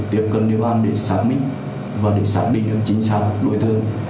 tiếp cận điều an để xác định và để xác định được chính xác đối tượng